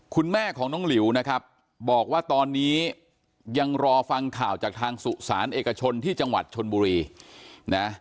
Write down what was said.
คุณแม่ของน้องหลิวนะครับบอกว่าตอนนี้ยังรอฟังข่าวจากทางสุสานเอกชนที่จังหวัดชนบุรีนะ